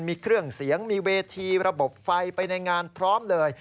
มีเครื่องเสียงมีเวทีระบบไฟไปในงานพร้อมเลย